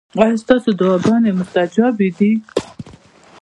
ایا ستاسو دعاګانې مستجابې دي؟